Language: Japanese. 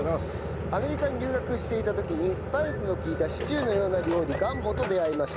「アメリカに留学していた時にスパイスの利いたシチューのような料理ガンボと出会いました」